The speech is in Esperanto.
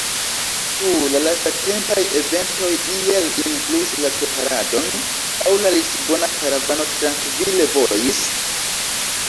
Ĉu la lastatempaj eventoj iel influis la preparadon, aŭ la lisbona karavano trankvile vojis?